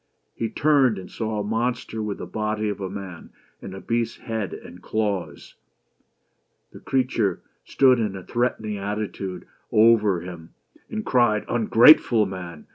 He turned, and saw a monster with the body of a man and a beast's head and claws. The creature stood in a threatening attitude over him and cried: "Ungrateful man!